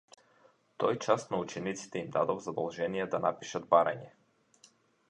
Тој час на учениците им дадов задолжение да напишат барање.